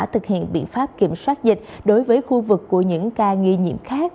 thực hiện biện pháp kiểm soát dịch đối với khu vực của những ca nghi nhiễm khác